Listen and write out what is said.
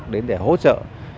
đến để hỗ trợ